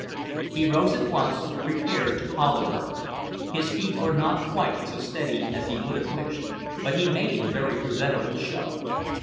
He rose at once, prepared to follow her. His feet were not quite so steady as he would have wished, but he made a very presentable show.